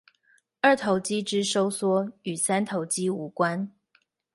二頭肌之收縮與三頭肌無關